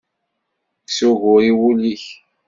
Kkes ugur i wul-nnek.